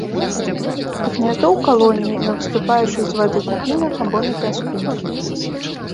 Гняздо ў калоніі, на выступаючых з вады купінах або на пяску.